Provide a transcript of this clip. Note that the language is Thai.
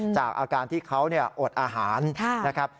จากอาการที่เขาอดอาหารนะครับ